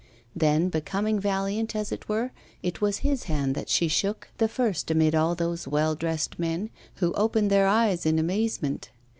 Then, becoming valiant, as it were, it was his hand that she shook the first amid all those well dressed men, who opened their eyes in amazement.